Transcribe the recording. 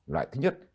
loại thứ nhất